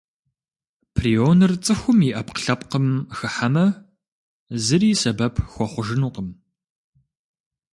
Прионыр цӏыхум и ӏэпкълъэпкъым хыхьэмэ, зыри сэбэп хуэхъужынукъым.